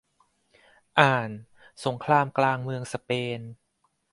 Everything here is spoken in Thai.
อ่าน สงครามกลางเมืองสเปน